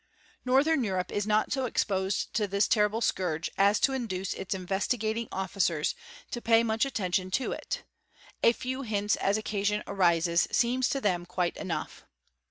Northern Europe is not so exposed to this terrible scourge as to induce its Investigating Officers to pay much uitention to it; a few hints as occasion arises seem to them quite enough.